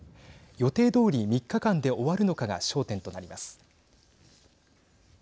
予定どおり３日間で終わるのかが焦点となります。